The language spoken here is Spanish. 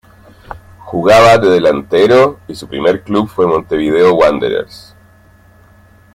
Jugaba de delantero y su primer club fue Montevideo Wanderers.